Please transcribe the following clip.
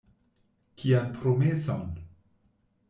Kian promeson?